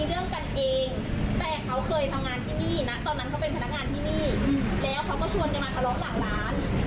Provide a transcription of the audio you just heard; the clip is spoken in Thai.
เสร็จแล้วเขาก็มากล่าวหาว่าพนักงานในร้านจะทำร้ายเขา